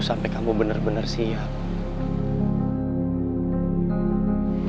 sampai kamu bener bener siap